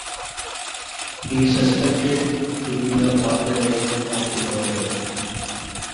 He is suspected to be the organizer of the murder.